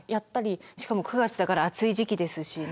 しかも９月だから暑い時期ですしね。